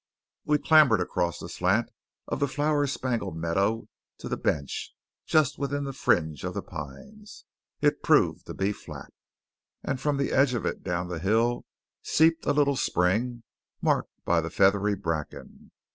We clambered across the slant of the flower spangled meadow to the bench, just within the fringe of the pines. It proved to be flat, and from the edge of it down the hill seeped a little spring marked by the feathery bracken.